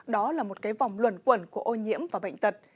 đó là một cái vòng luẩn quẩn của ô nhiễm và bệnh tật